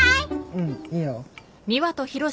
うんいいよ。